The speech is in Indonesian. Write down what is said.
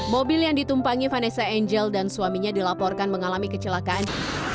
mobil yang ditumpangi vanessa angel dan suaminya dilaporkan mengalami kecelakaan